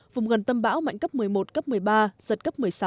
vùng gần tâm bão mạnh cấp một mươi một cấp một mươi ba giật cấp một mươi sáu